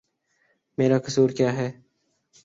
میرا قصور کیا ہے؟